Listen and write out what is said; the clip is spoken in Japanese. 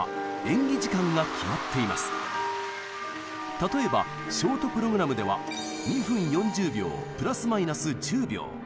例えばショート・プログラムでは２分４０秒プラスマイナス１０秒。